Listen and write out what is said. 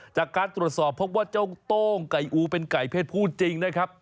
จากการตรวจสอบพบว่าเจ้าโต้งไก่อูเป็นไก่เพศผู้จริงนะครับ